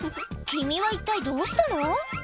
君は一体どうしたの？